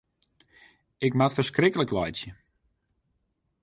Ik moat ferskriklik laitsje.